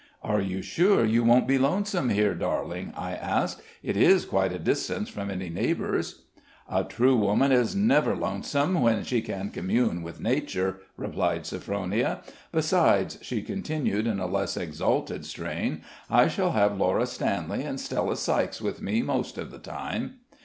"Are you sure you won't be lonesome here, darling?" I asked. "It is quite a distance from any neighbors." "A true woman is never lonesome when she can commune with Nature," replied Sophronia. "Besides," she continued, in a less exalted strain, "I shall have Laura Stanley and Stella Sykes with me most of the time."